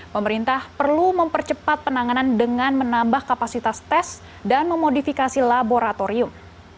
pemerintah perlu mempercepat penanganan dengan menambah kapasitas tes dan memodifikasi laboratorium